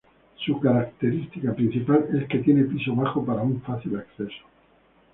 Su característica principal es que tiene piso bajo para un fácil acceso.